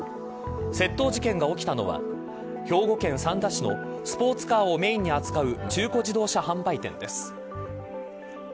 窃盗事件が起きたのは兵庫県三田市のスポーツカーをメーンに扱う中古自動車販売店です。